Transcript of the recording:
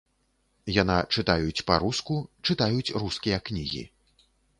Яна чытаюць па-руску, чытаюць рускія кнігі.